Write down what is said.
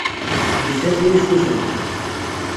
Ifat-wi ifuten.